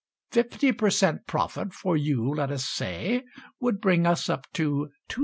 Fifty per cent. profit for you, let us say, Would bring us up to 2s.